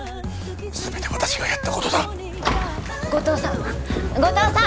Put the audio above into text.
全て私がやったことだ後藤さん後藤さん！